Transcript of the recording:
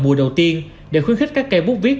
mùa đầu tiên để khuyến khích các cây bút viết